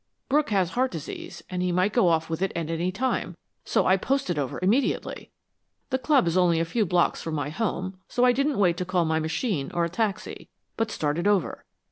Brooke has heart disease and he might go off with it at any time, so I posted over immediately. The club is only a few blocks away from my home, so I didn't wait to call my machine or a taxi, but started over.